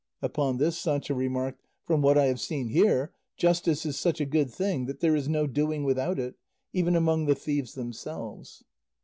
Upon this Sancho remarked, "From what I have seen here, justice is such a good thing that there is no doing without it, even among the thieves themselves."